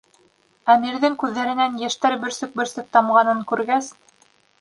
Әмирҙең күҙҙәренән йәштәр бөрсөк-бөрсөк тамғанын күргәс: